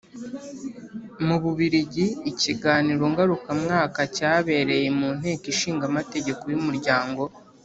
Mu Bubiligi ikiganiro ngarukamwaka cyabereye mu Nteko Ishinga Amategeko y Umuryango